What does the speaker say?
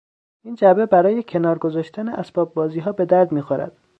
این جعبه برای کنار گذاشتن اسباب بازیها به درد میخورد.